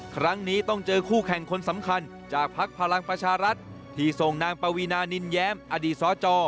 ครั้งนี้ต้องเจอคู่แข่งคนสำคัญจากภักดิ์พลังประชารัฐที่ส่งนางปวีนานินแย้มอดีตสจ